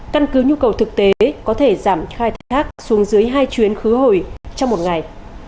căn cứ nhu cầu thực tế có thể giảm khai thác xuống dưới hai chuyến khứ hồi trong một ngày